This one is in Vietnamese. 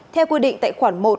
theo quy định tại khoản một